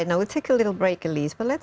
kita akan berbicara sedikit